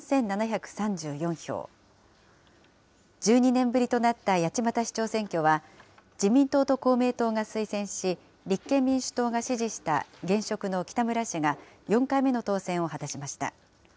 １２年ぶりとなった八街市長選挙は、自民党と公明党が推薦し、立憲民主党が支持した現職の北村氏が４回目の当選を果たしました。